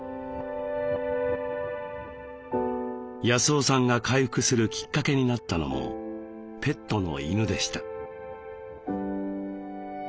康雄さんが回復するきっかけになったのもペットの犬でした。